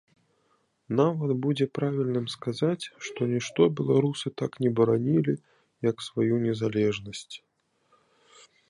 Нават будзе правільным сказаць, што нішто беларусы так не баранілі, як сваю незалежнасць.